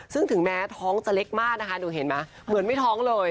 ซึ่งถึงแม้ท้องจะเล็กมากนะคะหนูเห็นไหมเหมือนไม่ท้องเลย